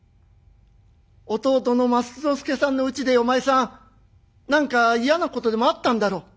弟の松之助さんのうちでお前さん何か嫌なことでもあったんだろう。